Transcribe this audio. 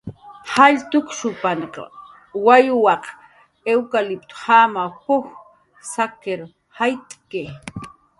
"Jall tukshupan wawyaq iwkaliptjamaw p""uj sakir jayt'ki."